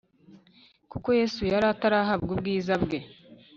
kuko Yesu yari atarahabwa ubwiza bwe